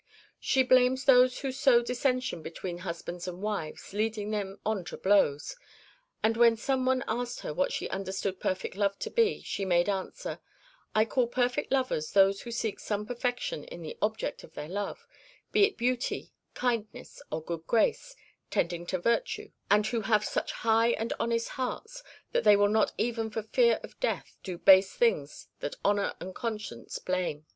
(2) She blames those who sow dissension between husbands and wives, leading them on to blows; (3) and when some one asked her what she understood perfect love to be, she made answer, "I call perfect lovers those who seek some perfection in the object of their love, be it beauty, kindness, or good grace, tending to virtue, and who have such high and honest hearts that they will not even for fear of death do base things that honour and conscience blame."